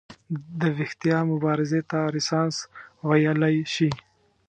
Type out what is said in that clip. د ویښتیا مبارزې ته رنسانس ویلی شي.